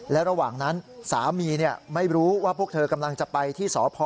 และระหว่างนั้นสามีไม่รู้ว่าพวกเธอกำลังจะไปที่สพ